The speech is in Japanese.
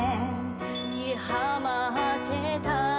「にはまってたなら」